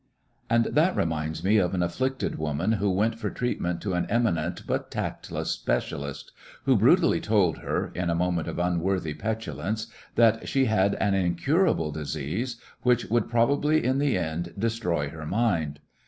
And that reminds me of an af&icted woman Mind over who went for treatment to an eminent but tactless specialist, who brutally told her, in a moment of unworthy petulance, that she had an incurable disease which would probably, in the end, destroy her mind.